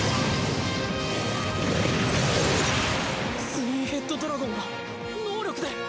ツインヘッドドラゴンが能力で。